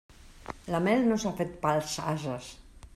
La mel no s'ha fet pels ases.